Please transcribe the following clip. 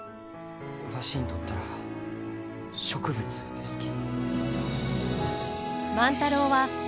わしにとったら植物ですき。